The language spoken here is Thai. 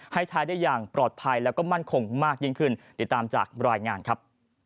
ให้ใช้ได้อย่างปลอดภัยแล้วก็มั่นคงมากยิ่งขึ้นติดตามจากรายงานครับ